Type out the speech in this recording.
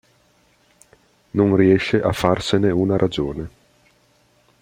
Non riesce a farsene una ragione.